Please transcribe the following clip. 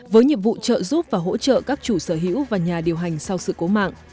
với nhiệm vụ trợ giúp và hỗ trợ các chủ sở hữu và nhà điều hành sau sự cố mạng